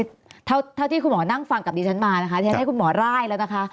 คือเท่าที่คุณหมอนั่งฟังกับดิฉันมานะคะที่ฉันให้คุณหมอร่ายแล้วนะคะ